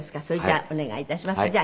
それじゃあお願いいたします。